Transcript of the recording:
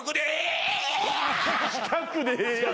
近くでええやん！